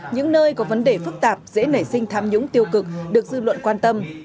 những nơi có vấn đề phức tạp dễ nảy sinh tham nhũng tiêu cực được dư luận quan tâm